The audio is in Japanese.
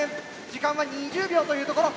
時間は２０秒というところ。